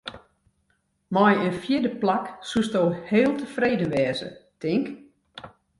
Mei in fjirde plak soesto heel tefreden wêze, tink?